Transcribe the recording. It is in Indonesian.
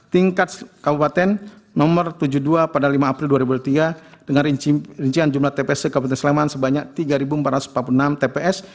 tingkat kabupaten nomor tujuh puluh dua pada lima april dua ribu dua puluh tiga dengan rincian jumlah tpc kabupaten sleman sebanyak tiga empat ratus empat puluh enam tps